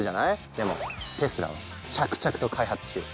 でもテスラは着々と開発中。